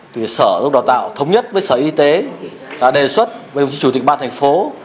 thì sở đào tạo thống nhất với sở y tế đã đề xuất với chủ tịch ban thành phố